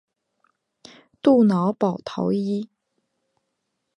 杜瑙保陶伊。